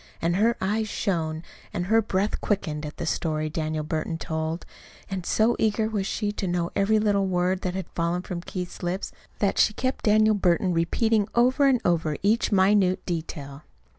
And her eyes shone and her breath quickened at the story Daniel Burton told; and so eager was she to know every little word that had fallen from Keith's lips that she kept Daniel Burton repeating over and over each minute detail.